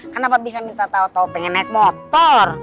kenapa bisa minta tahu tahu pengen naik motor